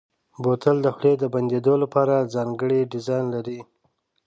بوتل د خولې د بندېدو لپاره ځانګړی ډیزاین لري.